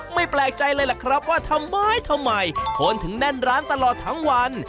แปลกใจเลยล่ะครับว่าทำไมทำไมคนถึงแน่นร้านตลอดทั้งวัน